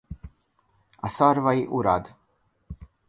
A szarvai urad.